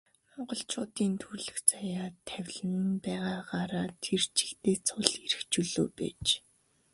Монголчуудын төрөлх заяа тавилан нь байгаагаараа тэр чигтээ цул эрх чөлөө байж.